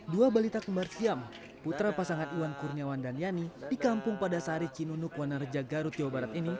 dua balita kembar siam putra pasangan iwan kurniawan dan yani di kampung pada sari cinunuk wanareja garut jawa barat ini